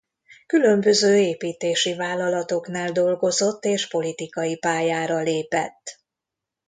Különböző építési vállalatoknál dolgozott és politikai pályára lépett.